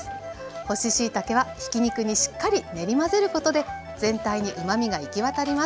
干ししいたけはひき肉にしっかり練り混ぜることで全体にうまみが行き渡ります。